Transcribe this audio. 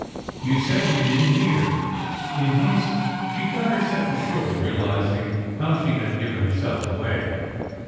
You said you didn t hear " In haste she cut her sentence short, realizing how she had given herself away.